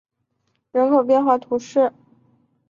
蒙盖亚尔人口变化图示